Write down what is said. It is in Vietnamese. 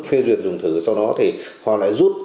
phê duyệt dùng thử sau đó thì khoa lại rút